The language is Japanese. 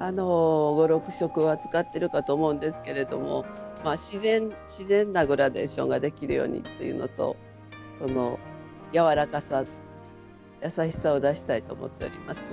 ５６色は使ってるかと思うんですけれども自然なグラデーションができるようにというのとやわらかさ優しさを出したいと思っております。